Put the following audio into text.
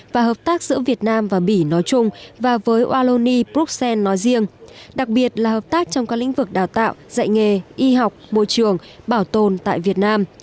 và hợp tác giữa việt nam và bỉ nói chung và với walloni bruxelles nói riêng đặc biệt là hợp tác trong các lĩnh vực đào tạo dạy nghề y học môi trường bảo tồn tại việt nam